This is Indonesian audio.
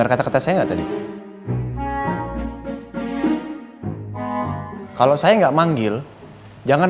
andi cabut gugatan